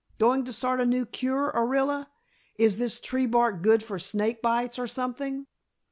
"Goin' to start a new cure, Orilla? Is this tree bark good for snake bites or something?"